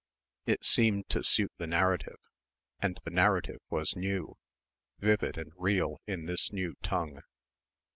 It seemed to suit the narrative and the narrative was new, vivid and real in this new tongue.